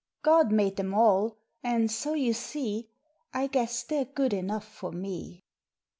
God made em all, and so you see I guess they re good enough for me.